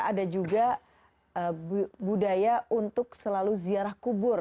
ada juga budaya untuk selalu ziarah kubur